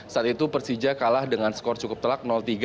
saat itu persija kalah dengan skor cukup telak tiga